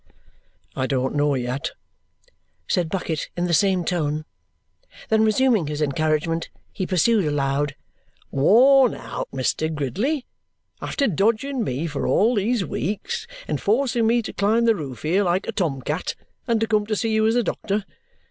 "I don't know yet," said Bucket in the same tone. Then resuming his encouragement, he pursued aloud: "Worn out, Mr. Gridley? After dodging me for all these weeks and forcing me to climb the roof here like a tom cat and to come to see you as a doctor?